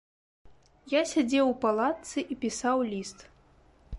Я сядзеў у палатцы і пісаў ліст.